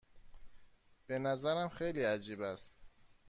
به نظرم خیلی عجیب است.